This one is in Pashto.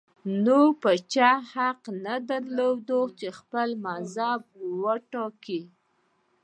نور چا حق نه درلود خپل مذهب وټاکي